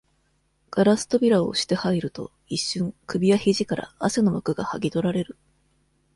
ガラス扉を押して入ると、一瞬、首や肘から、汗の膜が剥ぎとられる。